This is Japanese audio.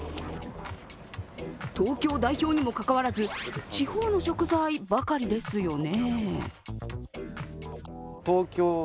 東京代表にもかかわらず地方の食材ばかりですよね。